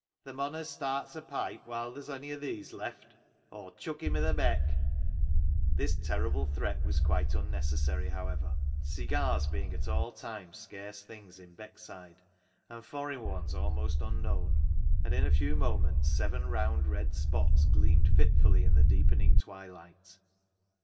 Th' mon as starts a pipe while theer's ony o' these left, Aw'll — Aw'll chuck him i' th' Beck !" VAULTING AMBITION 259 This terrible threat was quite unnecessary, however, cigars being at all times scarce things in Beckside, and foreign ones almost unknown, and in a few moments seven round red spots gleamed fitfully in the deepening twilight.